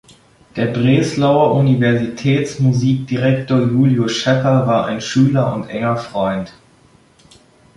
Der Breslauer Universitätsmusikdirektor Julius Schäffer war ein Schüler und enger Freund.